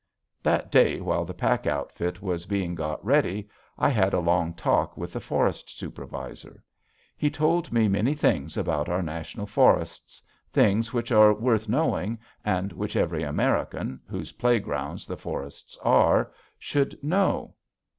That day, while the pack outfit was being got ready, I had a long talk with the Forest Supervisor. He told me many things about our National Forests, things which are worth knowing and which every American, whose playgrounds the forests are, should know.